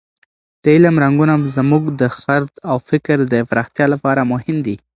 د علم رنګونه زموږ د خرد او فکر د پراختیا لپاره مهم دي.